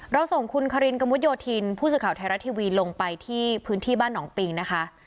เราส่งคุณคารินมุดโยธินพูดสุขขาวไทรรัตทีวีลงไปที่พื้นที่บ้านหนองปี้งนะคะ